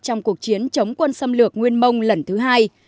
trong cuộc chiến chống quân xâm lược nguyên mông lần thứ hai